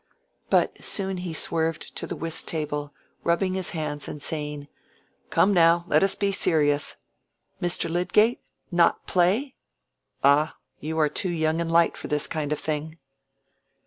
But soon he swerved to the whist table, rubbing his hands and saying, "Come now, let us be serious! Mr. Lydgate? not play? Ah! you are too young and light for this kind of thing."